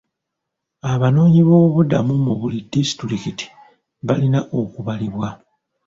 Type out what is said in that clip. Abanoonyi b'obubuddamu mu buli disitulikiti balina okubalibwa.